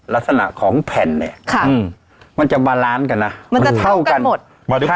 ลักษณะของแผ่นเนี่ยมันจะบาลานซ์กันนะมันจะเท่ากันหมดมาดู